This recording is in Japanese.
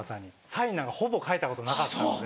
サインなんかほぼ書いたことなかったので。